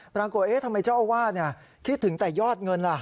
ปรากฏทำไมเจ้าอาวาสคิดถึงแต่ยอดเงินล่ะ